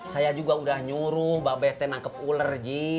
saya juga udah nyuruh mbak bethe nangkep ular